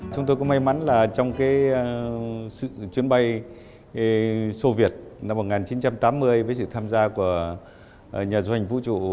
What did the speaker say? chúng tôi có may mắn là trong cái chuyến bay soviet năm một nghìn chín trăm tám mươi với sự tham gia của nhà doanh vũ trụ